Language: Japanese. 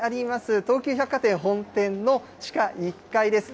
東急百貨店本店の地下１階です。